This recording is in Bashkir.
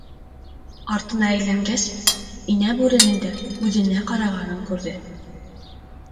Артына әйләнгәс, инә бүренең дә үҙенә ҡарағанын күрҙе.